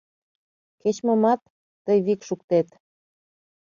Кеч-момат тый вик шуктет.